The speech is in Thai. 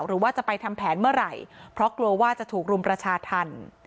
หรือว่าจะไปทำแผนเมื่อไหร่เพราะกลัวว่าจะถูกรุมประชาธรรม